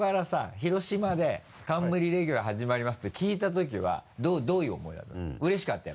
「広島で冠レギュラー始まります」て聞いたときはどういう思いだったの？